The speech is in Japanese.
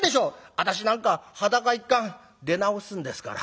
私なんか裸一貫出直すんですから」。